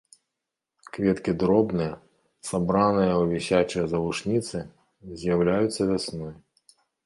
Кветкі дробныя, сабраныя ў вісячыя завушніцы, з'яўляюцца вясной.